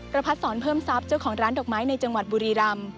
พระพัดสอนเพิ่มทรัพย์เจ้าของร้านดอกไม้ในจังหวัดบุรีรำ